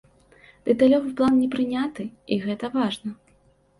Дэталёвы план не прыняты, і гэта важна.